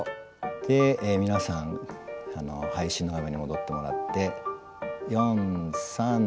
で皆さん配信の画面に戻ってもらって。